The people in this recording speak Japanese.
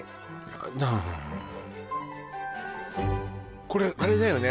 私これあれだよね